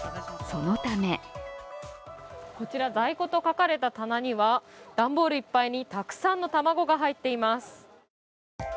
そのためこちら、「在庫」と書かれた棚には段ボールいっぱいにたくさんの卵が入っています。